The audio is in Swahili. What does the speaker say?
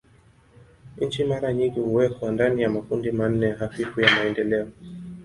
Nchi mara nyingi huwekwa ndani ya makundi manne hafifu ya maendeleo.